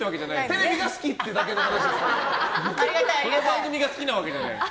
テレビが好きっていう話ですよね。